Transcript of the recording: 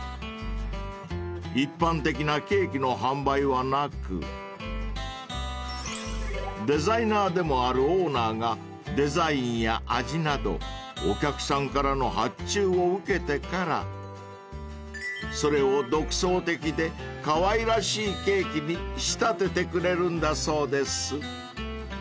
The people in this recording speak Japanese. ［一般的なケーキの販売はなくデザイナーでもあるオーナーがデザインや味などお客さんからの発注を受けてからそれを独創的でかわいらしいケーキに仕立ててくれるんだそうです］